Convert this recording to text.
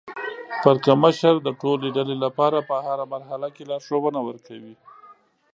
پړکمشر د ټولې ډلې لپاره په هره مرحله کې لارښوونه ورکوي.